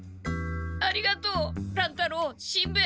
ありがとう乱太郎しんべヱ。